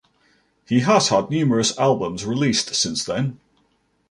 He Has had numerous albums released, since then.